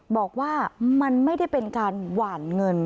บอกว่ามันไม่ได้เป็นการหว่านเงิน